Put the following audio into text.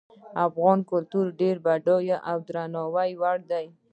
افغان کلتور ډیر بډایه او د درناوي وړ ده